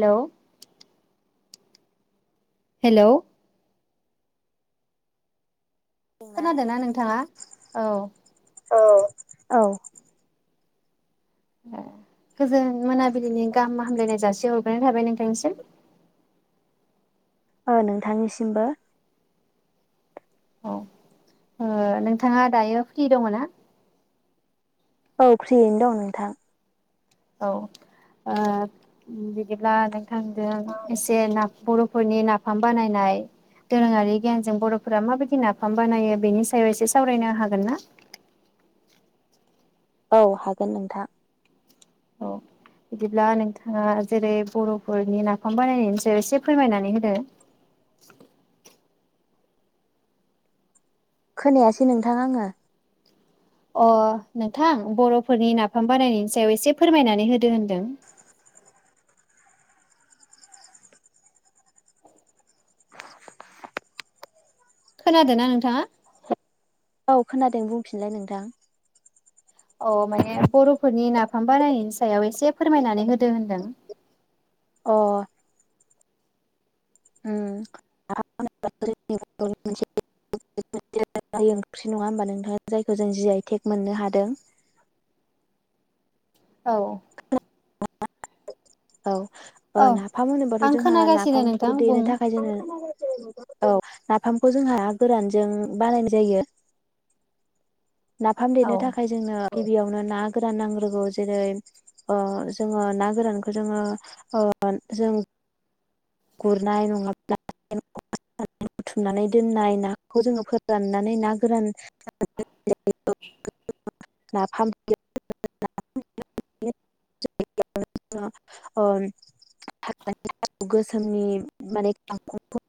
लौ हेलौ औ खोनादोंना नोंथाङा औ औ औ ए गोजोन मोनाबिलिनि गाहाम हामलायनाय जासि हरग्रोनाय थाबाय नोंथांनिसिम। ओ नोंथांनिसिमबो। औ ओ नोंथाङा दायो फ्रि दङ ना? औ फ्रियैनो दं नोंथां। औ ओ बिदिब्ला नोंथांजों एसे ना बर'फोरनि नाफाम बानायनाय दोरोङारि गियानजों बर'फोरा माबायदि नाफाम बानायो बेनि सायाव एसे सावरायनो हागोन ना? औ हागोन नोंथां। औ बिदिब्ला नोंथाङा जेरै बर'फोरनि नाफाम बानायनायनि सायाव एसे फोरमायनानै होदो? खोनायासै नोंथां आङो। अ नोंथां बर'फोरनि नाफाम बानायनायनि सायाव एसे फोरमायनानै होदो होनदों। खोनादो ना नोंथाङा? औ खोनादों बुंफिनलाय नोंथां? औ माने बर'फोरनि नाफाम बानायनायनि सायाव एसे फोरमायनानै होदो होनदों। अ उम नाफाम होनोब्ला जोंनि बर'नि मोनसे [unintelligible] ओंख्रि नङा होमबा नोंथां जायखौ जों जि आइ टेक मोननो हादों। औ मा [unintelligible] औ ओ औ नाफाम होनोबाथ आं जोंहा खोनागासिनो नोंथां नाफामखौ बुं देनो थाखाय जोङो औ नाफामखौ जोंहा ना गोरानजों बानायनाय जायो। नाफाम औ देनो थाखाय जोंनो गिबियावनो ना गोरान नांग्रोगौ जेरै ओ जोङो ना गोरानखो जोङो ओ जों गुरनाय नङाब्ला [unintelligible] बुथुमनानै दोननाय नाखौ जोङो फोराननानै ना गोरान [unintelligible] [unintelligible] ओ [unintelligible] गोसोमनि माने [unintelligible]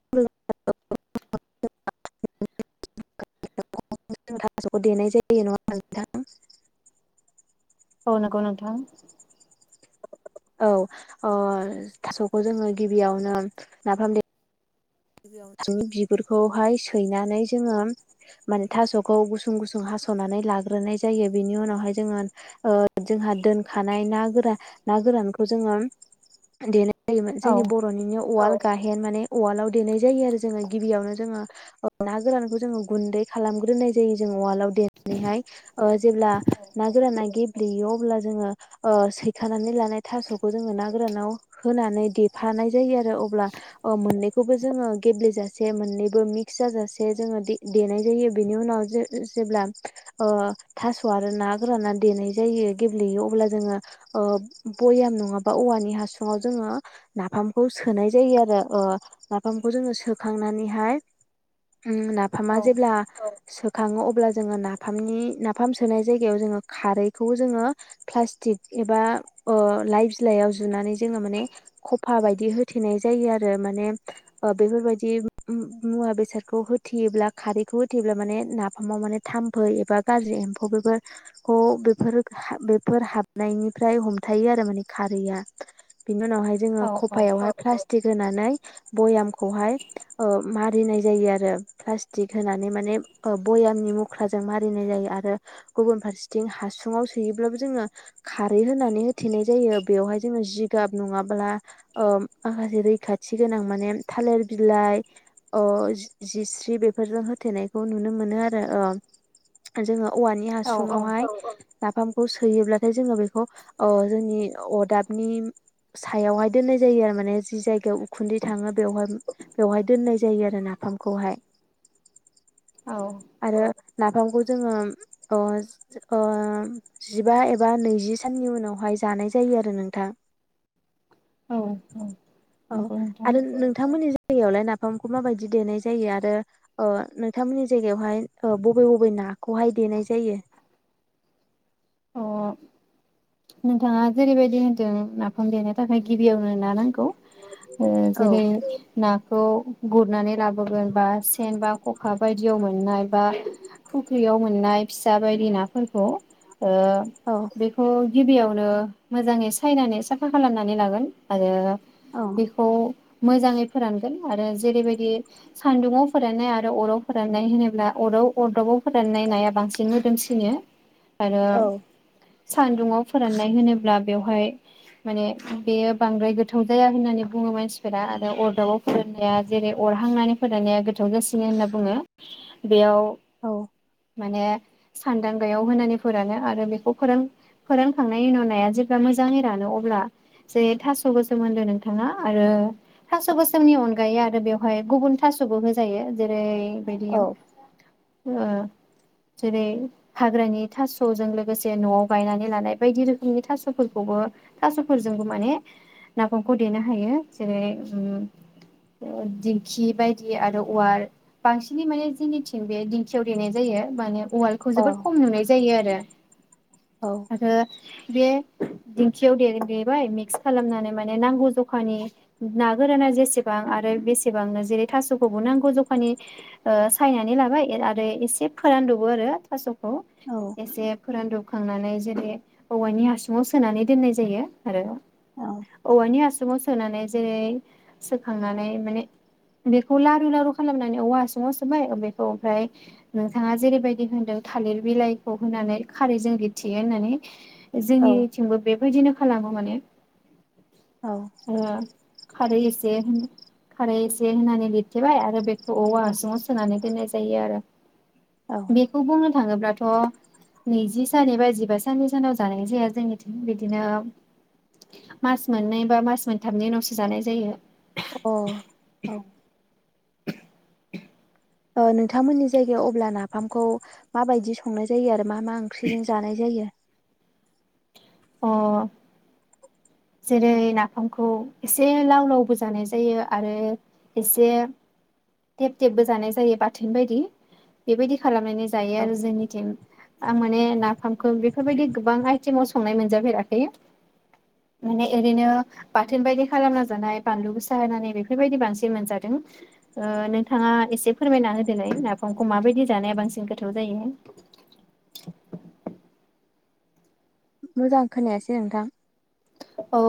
थास'खौ देनाय जायो नङा होनबा नोंथां [unintelligible] औ नगौ नोंथां। औ अ थास'खौ जोङो गिबियावनो नाफाम दे [unintelligible] बिगुरफोरखौहाय सैनानै जोङो माने थासखौ गुसुं गुसुं हासनानै लाग्रोनाय जायो बेनि उनावहाय जोङो ओ जोंहा दोनखानाय ना गोरान ना गोरानखौ जोङो दे जायोमोन औ जोंनि बर'निनो उवाल गाहेन माने उवालाव देनाय जायो आरो जोङो गिबियावनो जोङो ना गोरानखौ जोङो गुन्दै खालामग्रोनाय जायो जोङो उवालाव देनानैहाय ओ जेब्ला ना औ गोराना गेब्लेयो अब्ला जोङो ओ सैखानानै लानाय थासखौ जोङो ना गोरानाव होनानै देफानाय जायो आरो अब्ला अ मोननै खौबो जोङो गेब्लेेजासे मोननैबो मिक्स जाजासे जोङो दे-देनाय जायो बेनि उनाव जे-जेब्ला ओ थास' आरो ना गोरा देनाय जायो गेब्लेयो अब्ला जोङो ओ बयाम नङाबा औवानि हासुङाव जोङो नाफामखौ सोनाय जायो आरो ओ नाफामखौ जोङो सोखांनानैहाय ओम औ नाफामा जेब्ला औ [unintelligible] खाङो अब्ला जोङो नाफामनि नाफाम सोनाय जायगायाव जोङो खारैखौ जोङो प्लास्टिक एबा ओ लाइ बिलाइयाव जुनानै जोङो माने खफा बायदि होथेनाय जायो आरो माने बेफोरबायदि मुवा बेसादखौ होथेयोब्ला खारैखौ होथेयोब्ला माने नाफामाव माने थाम्फै एबा गाज्रि एम्फौ बेफोरखौ बेफोर बेफोर हाबनायनिफ्राय हमथायो आरो माने खारैया। बिनि उनावहाय जोङो औ खफायावहाय प्लास्टिक होनानै [unintelligible] बयाम खौहाय ओ मारिनाय जायो आरो प्लास्टिक होनानै माने ओ भयामनि मुख्राजों मारिनाय जायो आरो गुबुन फारसेथिं हासुङाव सोयोब्लाबो जोङो खारै होनानै होथेनाय जायो बेवहाय जोङो जिगाब नङाब्ला ओ माखासे रैखा थि गोनां माने थालिर बिलाइ अ जिस्रि बेफोरजों होथेनायखौ नुनो मोनो आरो अ जोङो। औवानि हासुङावहाय औ औ नाफामखौ सोयोब्लाथाय जोङो बेखौ अ जोंनि अदाबनि सायावहाय दोननाय जायो आरो माने जि जायगायाव उखुन्दै थाङो बेवहाय बेवहाय दोननाय जायो आरो नाफामखौहाय। औ आरो नाफामखौ जोङो अ अ जिबा एबा नैजि साननि उनावहाय जानाय जायो आरो नोंथां। औ [inaudible] औ नंगौ नोंथां आरो नोंथांमोननि जायगायावलाय नाफामखौ माबायदि देनाय जायो आरो अ नोंथांमोननि जायगायावहाय ओ बबे बबे नाखौहाय देनाय जायो? अ नोंथाङा जेरैबायदि होनदों नाफाम देनो थाखाय गिबियाव ना नांगौ औ जेरै ना खौ गुरनानै लाबोगोन बा सेन बा खखा बायदियाव मोननाय बा फुख्रियाव मोननाय फिसा बायदि नाफोरखौ ओ औ बेखौ गिबियावनो मोजाङै सायनानै साफा खालामनानै लागोन आरो औ बेखौ मोजाङै फोरानगोन आरो जेरैबायदि सान्दुङाव फोराननाय आरो अराव फोराननाय होनोब्ला अराव अरदाबाव फोराननाय नाया बांसिन मोदोमसिनो। आरो सान्दुङाव फोराननाय होनोब्ला बेवहाय माने बेयो बांद्राय गोथाव जाया होननानै बुङो मानसिफोरा आरो अरदाबाव फोराननाया जेरै- अरहांनानै फोराननाया गोद थावजासिनो होनना बुङो। बेयाव औ माने सान्दांगायाव होनानै फोरानो आरो बेखौ फोरों फोरोंखांनायनि उनाव नाया जेब्ला मोजाङै रानो अब्ला जे थास' गोसोम होनदों नोंथाङा आरो थास' गोसोमनि अनगायै आरो बेवहाय गुबुन थास'बो होजायो जेरै- बेबायदि औ ओ जेरै- हाग्रानि थास'जों लोगोसे से न'आव गायनानै लानाय बायदि रोखोमनि थास'फोरखौबो थास'फोरजोंबो माने नाफामखौ देनो हायो जेरै- ओम ओ दिंखि बायदि आरो अवार बांसिनै माने जोंनिथिं बे दिंखियाव देनाय जायो माने उवालखौ जोबोद औ खम नुनाय जायो आरो। औ आरो बे दिंखियाव दे-देेबाय मिक्स खालामनानै माने नांगौ जखानि ना गोराना जेसेबां आरो बेसेबांनो जेरै- थास'खौबो नांगौ जखानि ओ सायनानै लाबाय आरो एसे फोरानद'बो आरो थास' खौ औ एसे फोरानद'ब खांनानै जेरै- औवायनि हासुङाव सोनानै दोननाय जायो आरो औ औवानि हासु सुङाव सोनानै जेरै- सोखांनानै माने बेखौ लारु लारु खालामनानै औवा हासुङाव सोबाय बेखौ ओमफ्राय नोंथाङा जेरैबायदि होनदों थालिर बिलाइखौ होनानै खारैजों बिथियो होननानै। औ जोंनिथिंबो बेबायदिनो खालामो माने ओह। खारै एसे होन खारै एसे होनानै लिरथेबाय आरो बेखौ औवा हासुङाव सोनानै दोननाय जायो आरो। औ अ बेखौ बुंनो थाङोब्लाथ' नैजिस [unintelligible] एबा जिबा साननि सानाव जानायजाया जोंनिथिं बिदिनो मास मोननै बा मास मोनथामनि उनावसो जानाय जायो। अह औ। ओ नोंथांमोननि जायगायाव अब्ला नाफामखौ माबादि संनाय जायो आरो मा मा ओंख्रिजों जानाय जायो? अह। जेरै- नाफामखौ एसे लाव लावबो जानायजायो आरो एसे टेब टेबबो जानायजायो बाथोन बायदि बेबायदि खालामनानै जायो आरो जोंनिथिं आं माने नाफामखौ बेफोरबायदि गोबां आइटेमाव संनाय मोनजाफेराखै। माने एरैनो बाथोन बायदि खालामना जानाय बानलुगोसा होनानै बेफोरबायदि बांसिन मोनजादों ओ नोंथाङा एसे फोरमायना होदोलाय नाफामखौ माबायदि जानाया बांसिन गोथाव जायो। मोजां खोनायासै नोंथां। औ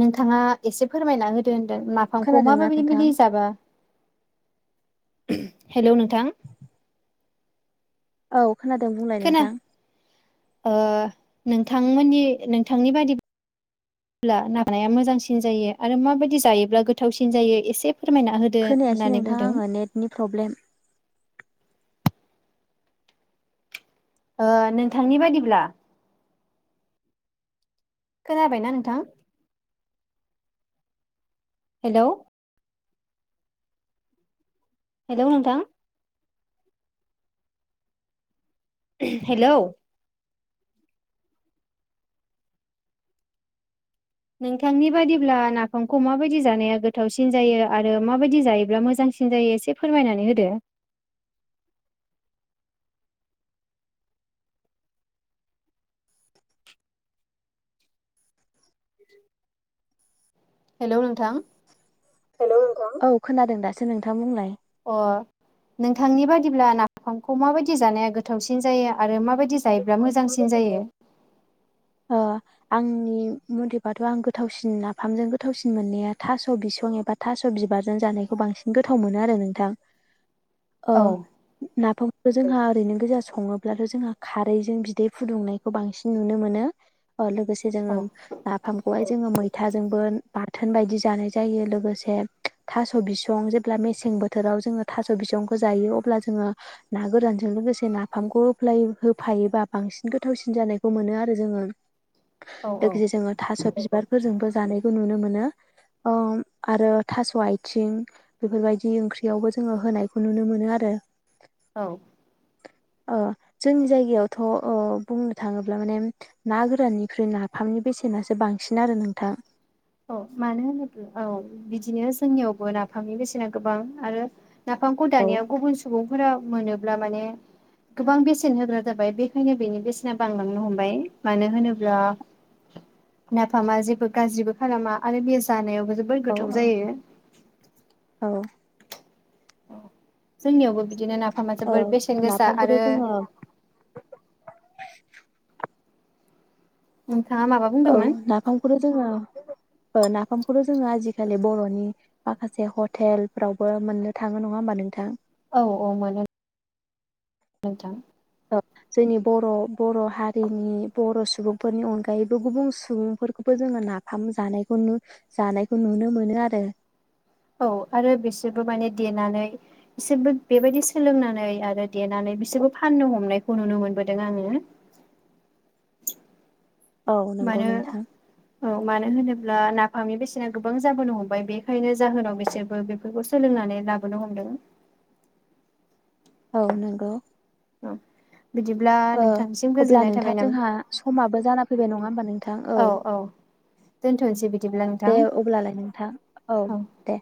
नोंथाङा एसे फोरमायना होदो होन दों नाफामखौ मा खोनादोंना मामिदि नोंथां मिदि जाबा। हेलौ नोंथां। औ। खोनादों बुंलाय नोंथां। ओह नोंथांमोननि नोंथांनि बादिब्ला माया मोजांसिनजायो आरो माबादि जायोब्ला गोथावसिनजायो एसे फोरमायना होदो खोनायासै होननानै नोंथां बुंदों आङो नेथनि प्रब्लेम। ओह नोंथांनि बायदिब्ला। खोनाबायना नोंथां हेलौ हेलौ नोंथां। उम हेलौ नोंथांनि बायदिब्ला नाफामखौ माबायदि जानाया गोथावसिनजायो आरो माबायदि जायोब्ला मोजांसिनजायो एसे फोरमायनानै होदो। हेलौ नोंथां। हेलौ नोंथां औ खोनादोंदासो नोंथांङा बुंलाय अह नोंथांनि बादिब्ला नाफामखौ माबादि जानाया गोथावसिनजायो आरो माबादि जायोब्ला मोजांसिन जायो। ओह आंनि मुथैबाथ आं गोथावसिन नाफामजों गोथावसिन मोननाया थास बिसं एबा थास बिबारजों जानायखौ बांसिन गोथाव मोनोआरो नोंथां। औ ओह नाफाम जोंहा ओरैनोगोजा सङोब्लाथ जोंहा खारैजों बिदै फुदुंनायखौ बांसिन नुनोमोनो। ओह लोगोसेजोङो औ नाफाम खौहाय जोङो मैथाजोंबो बाथोन बायदि जानाय जायो लोगोसे थास' बिसं जेब्ला मेसें बोथोराव जोङो थास' बिसंखौ जायो अब्ला जोङो ना गोरानजों लोगोसे नाफामखौ होफ्ला होफायोबा बांसिन गोथावसिन जानायखौ मोनो आरो जोङो। औ औ लोगोसे जोङो थास' बिबारफोरजोंबो जानायखौ नुनो मोनो अ आरो थास' आथिं बेफोरबायदि ओंख्रियावबो जोङो होनायखौ नुनो मोनो आरो औ अह जोंनि जायगायावथ' ओ बुंनो थाङोब्ला माने ना गोराननिख्रुइ नाफामनि बेसेनासो बांसिन आरो नोंथां। औ मानो होनोब्ला औ बिदिनो जोंनियावबो नाफामनि बेसेना गोबां आरो नाफामखौ औ दानायाव गुबुन सुबुं फोरा मोनोब्ला माने गोबां बेसेन होग्रा जाबाय बेखायनो बेनि बेसेना बांलांनो हमबाय मानो होनोब्ला नाफामा जेबो गाज्रि खालामा आरो बे जानायावबो जोबोर औ गोथाव औ जायो। औ जोंनियावबो बि दिनो नाफामा ओ जोबोर बेसेन गोसा नाफामखौथ' आरो जोङो उम औ नाफामखौथ' जोङो ओ नाफामखौथ' जोङो आजिखालि बर'नि माखासे हटेलफ्रावबो मोननो थाङो नङा होमबा नोंथां? औ औ मोनो नोंथां। ओ जोंनि बर' बर' हारिनि बर' सुबुं सुबुंफोरनि अनगायैबो गुबुन सुबुंफोरखौबो जोङो नाफाम जानायखौ जानायखौ नुनो मोनो आरो औ आरो बिसोरबो माने देनानै बिसोरबो बेबायदि सोलोंनानै आरो देनानै बिसोरबो फाननो हमनायखौ नुनो मोनबोदों आङो। औ नंगौ मानो नोंथां औ मानो होनो ब्ला नाफामनि बेसेना गोबां जाबोनो हमबाय बेखायनो जाहोनाव बिसोरबो बेफोरखौ सोलोंनानै लाबोनो हमदों। औ नंगौ। औ बिदिब्ला ओ नोंथांसिम अब्ला गोजोननाय नोंथां थाबाय जोंहा नामा समाबो जाना फैबाय नङा होमबा नोंथां। औ दोनथ'नोसै बिदिब्ला नोंथां दे अब्लालाय नोंथां औ दे।